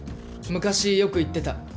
昔よく言ってた。